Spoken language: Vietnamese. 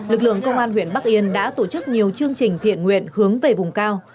lực lượng công an huyện bắc yên đã tổ chức nhiều chương trình thiện nguyện hướng về vùng cao